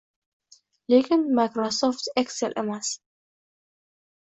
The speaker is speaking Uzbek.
Lekin Microsoft Excel emas.